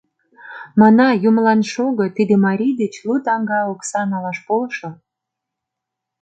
Мына, юмылан шого, тиде марий деч лу таҥга окса налаш полшо.